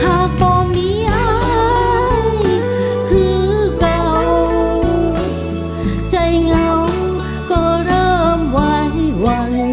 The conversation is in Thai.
ป่อมีอายคือเก่าใจเหงาก็เริ่มไหว